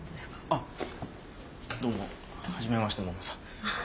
あどうも初めましてももさん。